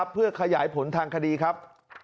เพื่อขยายผลทางคดีครับ